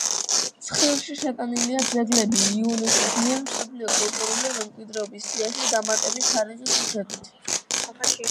ცხრილში შეტანილია ძეგლები, იუნესკოს მიერ მსოფლიო კულტურული მემკვიდრეობის სიაში დამატების თარიღის მიხედვით.